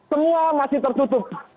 semua masih tersutup